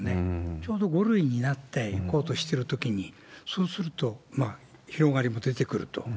ちょうど５類になっていこうとしてるときに、そうすると、広がりも出てくると。